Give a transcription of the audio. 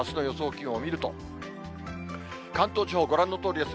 気温を見ると、関東地方、ご覧のとおりです。